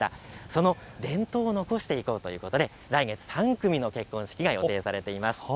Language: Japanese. その伝統を残していこうということで来月３組の結婚式が予定されています。